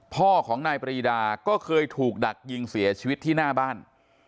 พ่อของนายปรีดาก็เคยถูกดักยิงเสียชีวิตที่หน้าบ้าน